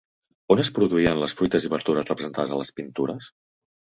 On es produïen les fruites i verdures representades a les pintures?